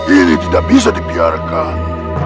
ini tidak bisa dibiarkan